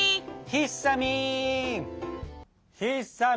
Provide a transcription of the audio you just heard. ひっさみん。